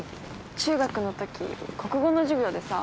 中学のとき国語の授業でさ。